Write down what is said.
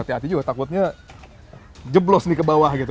takutnya jeblos nih ke bawah gitu